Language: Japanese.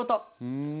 うん。